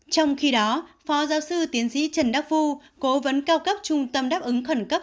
trong khi đó phó giáo sư tiến sĩ trần đắc phu cố vấn cao cấp trung tâm đáp ứng khẩn cấp